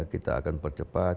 kita akan percepat